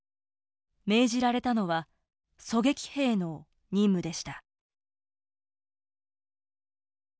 命じられたのは狙撃兵の任務でした。